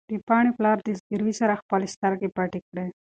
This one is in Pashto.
د پاڼې پلار د زګېروي سره خپلې سترګې پټې کړې.